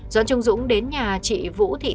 doãn trung dũng đến nhà chị vũ